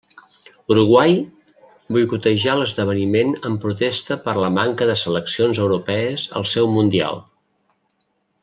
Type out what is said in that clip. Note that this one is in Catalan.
Uruguai boicotejà l'esdeveniment en protesta per la manca de seleccions europees al seu mundial.